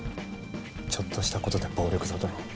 ちょっとしたことで暴力沙汰に。